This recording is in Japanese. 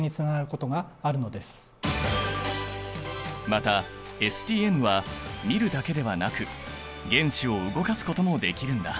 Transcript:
またＳＴＭは見るだけではなく原子を動かすこともできるんだ。